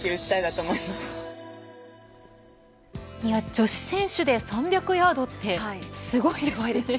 女子選手で３００ヤードってすごいですね。